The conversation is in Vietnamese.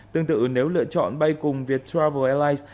tương tự nếu lựa chọn bay cùng viettravel airlines